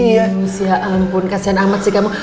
ya ampun kasihan amat sih kamu